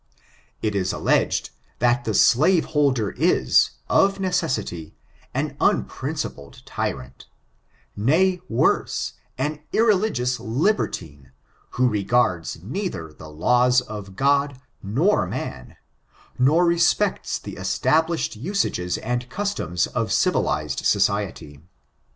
It is alleged, that the slaveholder is, of necessity, an unprincipled tyrant; nay, worse, an irreli^ous libertine, who regards neither the laws of God, nor man, nor respects the established usages and customs of civilized society.